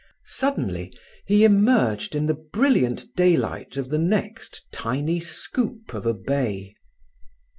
Suddenly he emerged in the brilliant daylight of the next tiny scoop of a bay.